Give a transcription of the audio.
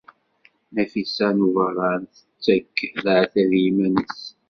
Nafisa n Ubeṛṛan tettakf leɛtab i yiman-nnes.